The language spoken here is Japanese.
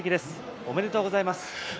おめでとうございます。